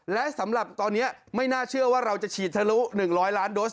และสำหรับตอนนี้ไม่น่าเชื่อว่าเราจะฉีดทะลุ๑๐๐ล้านโดส